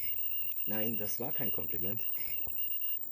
Nein, das war kein Kompliment.